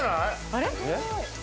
あれ？